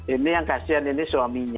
ini yang kasihan ini suaminya